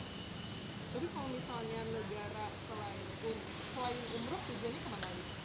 jadi kalau misalnya negara selain umroh tujuannya kemana lagi